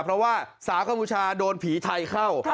เพราะว่าสาวกัมพูชาโดนผีไทยเข้า